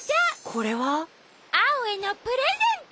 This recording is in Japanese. これは？アオへのプレゼント！